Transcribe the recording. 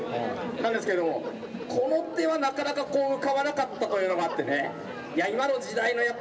なんですけどこの手はなかなかこう浮かばなかったというのがあってねいや